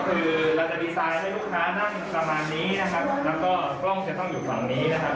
คือเราจะดีไซน์ให้ลูกค้านั่งประมาณนี้นะครับแล้วก็กล้องจะต้องอยู่ฝั่งนี้นะครับ